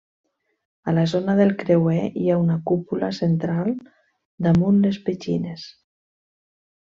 A la zona del creuer hi ha una cúpula central damunt de petxines.